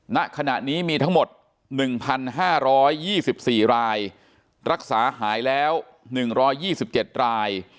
ณขณะนี้มีทั้งหมด๑๕๒๔รายรักษาหายแล้ว๑๒๗ราย